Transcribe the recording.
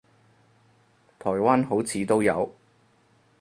台灣好似都有